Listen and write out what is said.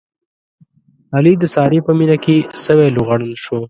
علي د سارې په مینه کې سوی لوغړن شو.